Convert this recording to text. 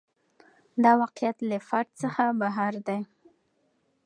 دا واقعیت له فرد څخه بهر دی.